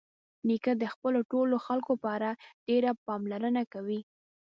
نیکه د خپلو ټولو خلکو په اړه ډېره پاملرنه کوي.